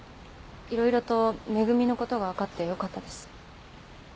いろいろと「め組」のことが分かってよかったです。